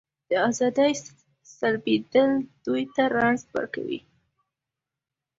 د ازادۍ سلبېدل دوی ته رنځ ورکوي.